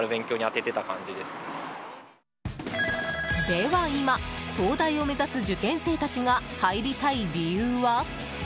では今、東大を目指す受験生たちが入りたい理由は？